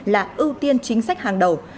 là ưu tiên chính sách hàng đầu